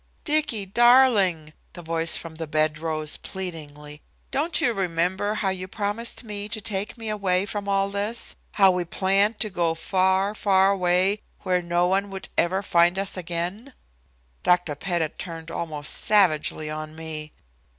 "Dicky darling," the voice from the bed rose pleadingly, "don't you remember how you promised me to take me away from all this, how we planned to go far, far away, where no one would ever find us again?" Dr. Pettit turned almost savagely on me.